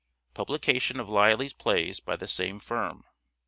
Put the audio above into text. Publication of Lyly's plays by the same firm.